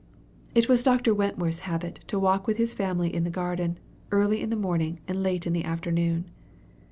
It was Dr. Wentworth's habit to walk with his family in the garden, early in the morning and late in the afternoon.